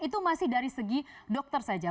itu masih dari segi dokter saja